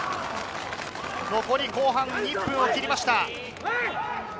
残り、後半１分を切りました。